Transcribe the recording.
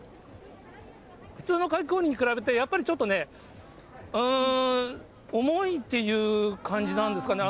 普通のかき氷に比べて、やっぱりちょっとね、うーん、重いっていう感じなんですかね。